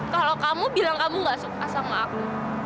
kalau kamu bilang kamu gak suka sama aku